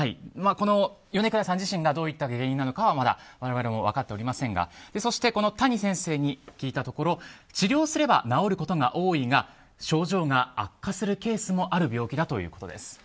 米倉さん自身がどういった原因なのかは我々も分かっておりませんがそしてこの谷先生に聞いたところ治療すれば治ることが多いが症状が悪化するケースもある病気だということです。